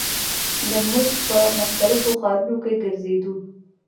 د ملک پۀ مختلفو ښارونو کښې ګرزيدو ۔